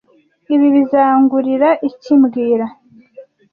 Ibi bizangurira iki mbwira